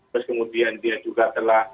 terus kemudian dia juga telah